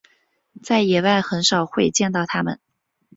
在野外很少会见到它们。